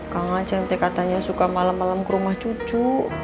kang aceh katanya suka malam malam ke rumah cucu